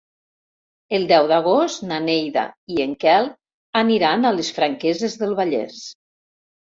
El deu d'agost na Neida i en Quel aniran a les Franqueses del Vallès.